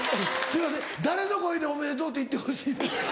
すいません誰の声で「おめでとう」って言ってほしいですか？